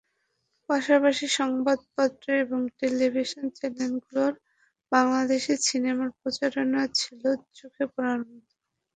পাশাপাশি সংবাদপত্র এবং টেলিভিশন চ্যানেলগুলোয় বাংলাদেশি সিনেমার প্রচারণা ছিল চোখে পড়ার মতো।